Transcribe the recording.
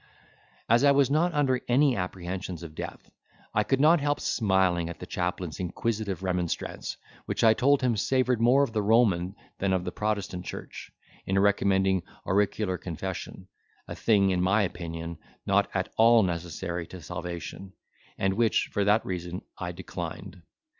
As I was not under any apprehensions of death, I could not help smiling at the chaplain's inquisitive remonstrance, which I told him savoured more of the Roman than of the Protestant church, in recommending auricular confession; a thing, in my opinion, not at all necessary to salvation, and which, for that reason, I declined.